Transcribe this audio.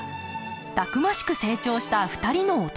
たくましく成長した２人の弟。